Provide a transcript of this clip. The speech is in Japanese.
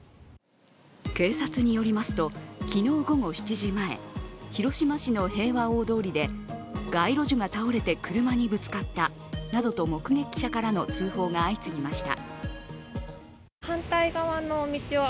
警察によりますと昨日午後７時前広島市の平和大通りで街路樹が倒れて車にぶつかったなどと目撃者からの通報が相次ぎました。